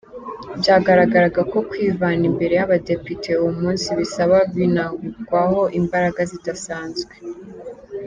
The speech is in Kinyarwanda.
Byagaragaraga ko kwivana imbere y’abadepite uwo munsi bisaba Binagwaho imbaraga zidasanzwe.